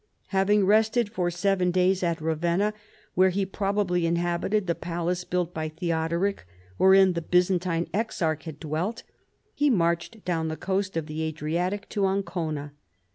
Having rested for seven days at Ravenna, where he probably inhabited the palace built by Theodoric wherein the Byzantine exarch had dwelt, he marched down the coast of the Adriatic to Ancona.